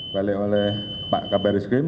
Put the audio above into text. balik oleh pak kabar reskrim